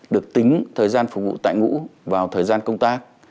được tính thời gian phục vụ tại ngũ vào thời gian công tác